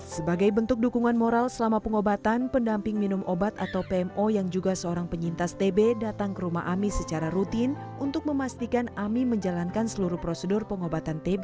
sebagai bentuk dukungan moral selama pengobatan pendamping minum obat atau pmo yang juga seorang penyintas tb datang ke rumah amis secara rutin untuk memastikan ami menjalankan seluruh prosedur pengobatan tb